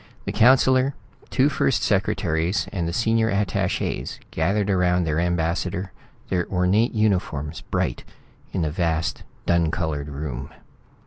The councillor, two first secretaries and the senior attaches gathered around the ambassador, their ornate uniforms bright in the vast dun colored room.